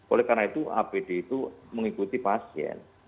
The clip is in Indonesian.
oleh karena itu apd itu mengikuti pasien